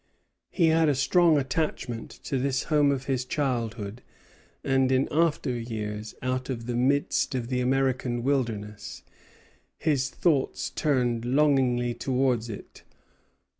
He had a strong attachment to this home of his childhood; and in after years, out of the midst of the American wilderness, his thoughts turned longingly towards it.